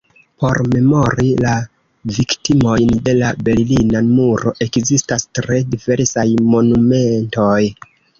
Por memori la viktimojn de la berlina muro ekzistas tre diversaj monumentoj.